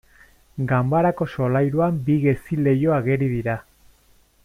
Ganbarako solairuan bi gezi-leiho ageri dira.